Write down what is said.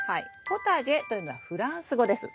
ポタジェというのはフランス語です。